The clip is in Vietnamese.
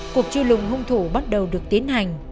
cuộc truy lùng hung thủ bắt đầu được tiến hành